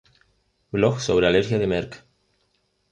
Blog sobre alergia de Merck